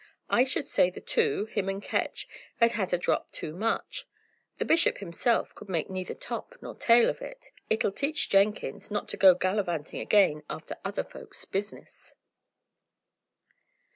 I should say the two, him and Ketch, had had a drop too much. The bishop himself could make neither top nor tail of it. It'll teach Jenkins not to go gallivanting again after other folk's business!"